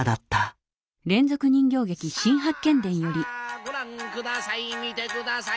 さあさあご覧下さい見て下さい。